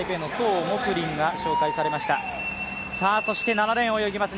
７レーンを泳ぎます